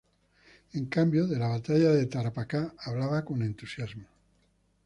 En cambio, de la batalla de Tarapacá hablaba con entusiasmo.